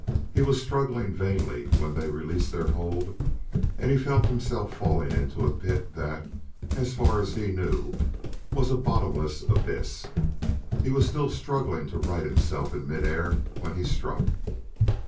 He was struggling vainly when they released their hold and he felt himself falling into a pit that, as far as he knew, was a bottomless abyss. He was still struggling to right himself in mid air when he struck.